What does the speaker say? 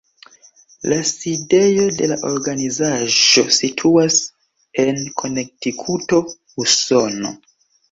La sidejo de la organizaĵo situas en Konektikuto, Usono.